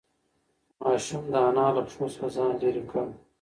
ماشوم د انا له پښو څخه ځان لیرې کړ.